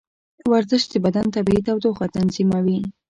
ورزش د بدن طبیعي تودوخه تنظیموي.